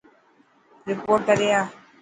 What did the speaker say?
رپورٽ ڪري آءِ.